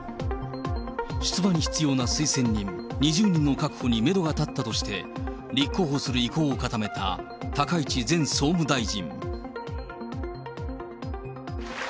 出馬に必要な推薦人２０人の確保にメドが立ったとして、立候補する意向を固めた、高市前総務大臣。